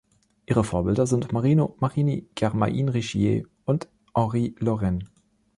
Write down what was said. Ihre Vorbilder sind Marino Marini, Germaine Richier, und Henri Laurens.